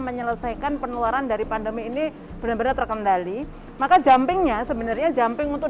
menyelesaikan penularan dari pandemi ini benar benar terkendali maka jumpingnya sebenarnya jumping untuk